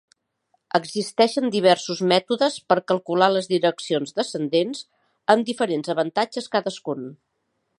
Existeixen diversos mètodes per calcular las direccions descendents amb diferents avantatges cadascun.